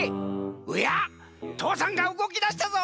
おや父山がうごきだしたぞ！